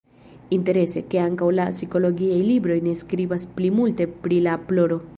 Interese, ke ankaŭ la psikologiaj libroj ne skribas pli multe pri la ploro.